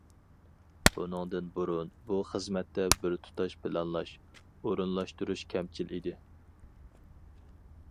بۇنىڭدىن بۇرۇن، بۇ خىزمەتتە بىر تۇتاش پىلانلاش، ئورۇنلاشتۇرۇش كەمچىل ئىدى.